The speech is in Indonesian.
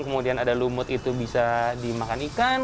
kemudian ada lumut itu bisa dimakan ikan